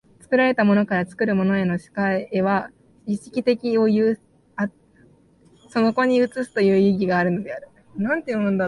作られたものから作るものへの世界は意識面を有つ、そこに映すという意義があるのである。